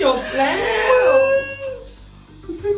อันนี้ที่ดำอยู่แล้วนะคะอย่าเขา